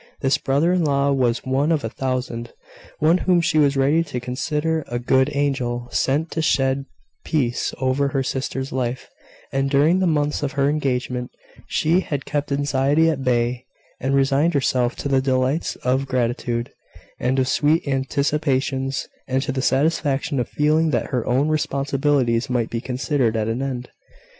This brother in law was one of a thousand one whom she was ready to consider a good angel sent to shed peace over her sister's life: and during the months of her engagement, she had kept anxiety at bay, and resigned herself to the delights of gratitude and of sweet anticipations, and to the satisfaction of feeling that her own responsibilities might be considered at an end.